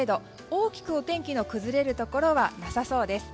大きくお天気の崩れるところはなさそうです。